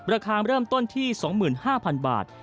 ราคาเริ่มต้นที่๒๕๐๐๐บาท